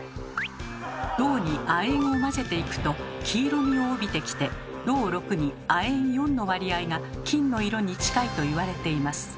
銅に亜鉛を混ぜていくと黄色みを帯びてきて銅６に亜鉛４の割合が金の色に近いと言われています。